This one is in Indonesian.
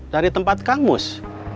dari tempat kang mus